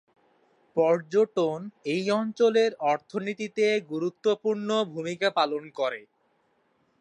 পর্যটন এই অঞ্চলের অর্থনীতিতে গুরুত্বপূর্ণ ভূমিকা পালন করে।